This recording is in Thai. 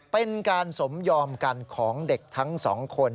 เป็นการสมยอมกันของเด็กทั้งสองคน